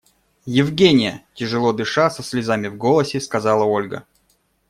– Евгения! – тяжело дыша, со слезами в голосе сказала Ольга.